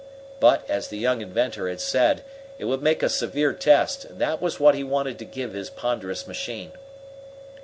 But, as the young inventor had said, it would make a severe test and that was what he wanted to give his ponderous machine.